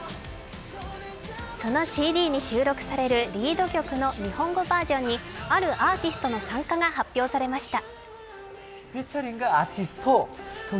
そのＣＤに収録されるリード曲の日本語バージョンにあるアーティストの参加が発表されました。